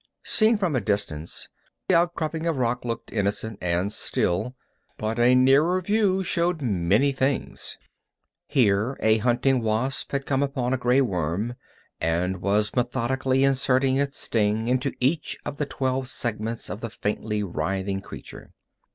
Seen from a distance, the outcropping of rock looked innocent and still, but a nearer view showed many things. Here a hunting wasp had come upon a gray worm, and was methodically inserting its sting into each of the twelve segments of the faintly writhing creature.